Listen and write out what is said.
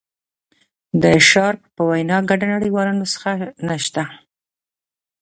د شارپ په وینا ګډه نړیواله نسخه نشته.